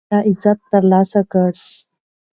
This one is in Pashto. لیکوال دا عزت ترلاسه کړی.